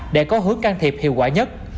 để có hướng can thiệp hiệu quả nhất